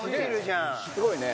すごいね。